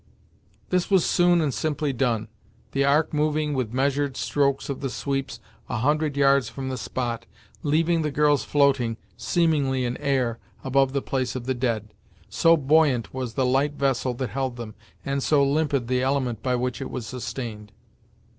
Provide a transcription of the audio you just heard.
This was soon and simply done, the Ark moving with measured strokes of the sweeps a hundred yards from the spot, leaving the girls floating, seemingly in air, above the place of the dead; so buoyant was the light vessel that held them, and so limpid the element by which it was sustained.